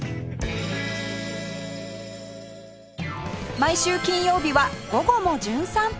毎週金曜日は『午後もじゅん散歩』